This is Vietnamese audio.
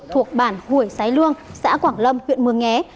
thuộc bản hủy sái luông xã quảng lâm huyện mường nghé